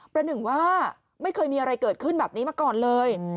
หนึ่งว่าไม่เคยมีอะไรเกิดขึ้นแบบนี้มาก่อนเลย